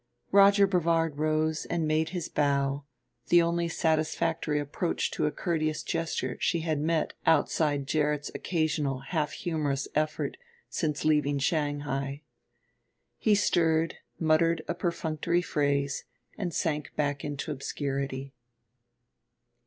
Roger Brevard rose and made his bow, the only satisfactory approach to a courteous gesture she had met outside Gerrit's occasional half humorous effort since leaving Shanghai. He stirred, muttered a perfunctory phrase, and sank back into obscurity.